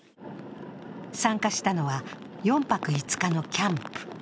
参加したのは４泊５日のキャンプ。